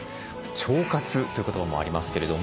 「腸活」という言葉もありますけれども。